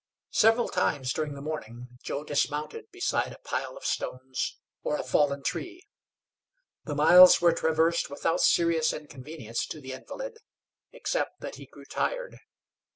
Several times during the morning Joe dismounted beside a pile of stones or a fallen tree. The miles were traversed without serious inconvenience to the invalid, except that he grew tired.